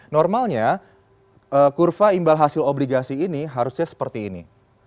normalnya kurva imbal hasil obligasi ini harusnya seperti ini